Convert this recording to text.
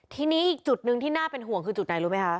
ทีนี้อีกจุดหนึ่งที่น่าเป็นห่วงคือจุดไหนรู้ไหมคะ